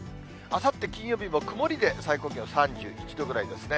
あさって金曜日も曇りで最高気温３１度ぐらいですね。